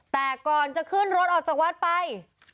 แต่ก่อนจะขึ้นรถออกจากวัดไป